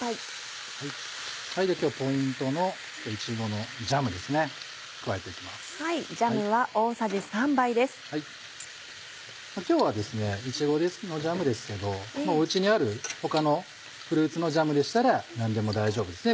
今日はいちごのジャムですけどお家にある他のフルーツのジャムでしたら何でも大丈夫ですね